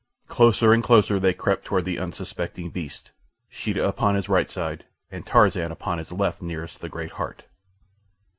Closer and closer they crept toward the unsuspecting beast, Sheeta upon his right side and Tarzan upon his left nearest the great heart.